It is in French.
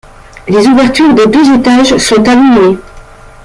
Les ouverture des deux étages sont alignées.